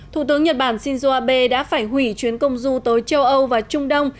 thủ tướng nhật bản shinzo abe đã phải hủy chuyến công du tới châu âu và trung đông